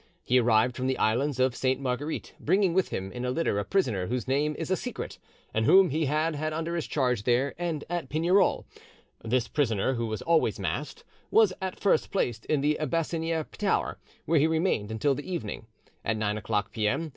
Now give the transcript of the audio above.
He arrived from the islands of Sainte Marguerite, bringing with him in a litter a prisoner whose name is a secret, and whom he had had under his charge there, and at Pignerol. This prisoner, who was always masked, was at first placed in the Bassiniere tower, where he remained until the evening. At nine o'clock p.m.